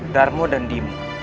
darmu dan dewa